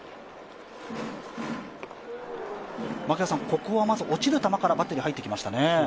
ここは、まず落ちる球からバッテリー、入ってきましたね。